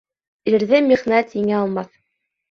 Ирҙе михнәт еңә алмаҫ.